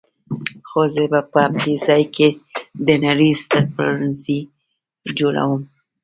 خو زه به په همدې ځای کې د نړۍ ستر پلورنځی جوړوم.